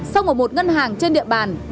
xông ở một ngân hàng trên địa bàn